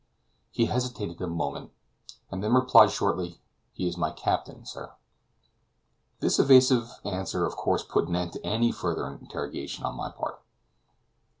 He hesitated a moment, and then replied shortly, "He is my captain, sir." This evasive answer of course put an end to any further interrogation on my part.